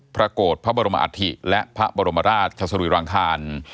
พระโกรธพระบรมอาธิและพระบรมราชทัศนุรางคาร